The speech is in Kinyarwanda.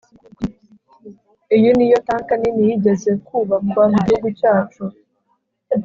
iyi niyo tanker nini yigeze kubakwa mugihugu cyacu